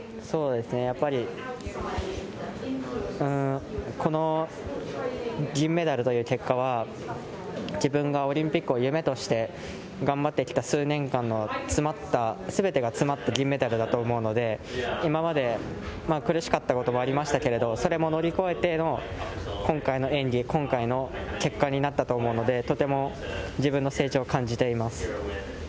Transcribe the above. そうですね、この銀メダルという結果は、自分がオリンピックを夢として頑張ってきた数年間の詰まった、すべてが詰まった銀メダルだと思うので、今まで苦しかったこともありましたけれど、それも乗り越えての今回の演技、今回の結果になったと思うので、とても自分の成長を感じています。